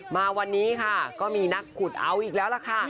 มาวันนี้ค่ะก็มีนักขุดเอาอีกแล้วล่ะค่ะ